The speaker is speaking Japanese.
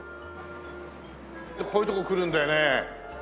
こういう所来るんだよね。